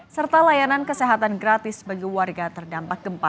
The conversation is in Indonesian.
serta layanan kesehatan gratis bagi warga terdampak gempa